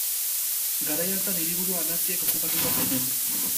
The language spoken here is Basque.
Garai hartan, hiriburua naziek okupatuta zuten.